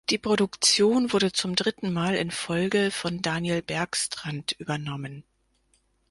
Die Produktion wurde zum dritten Mal in Folge von Daniel Bergstrand übernommen.